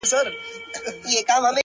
که دا دنیا او که د هغي دنیا حال ته ګورم ـ